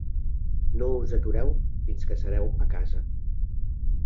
No us atureu fins que sereu a casa.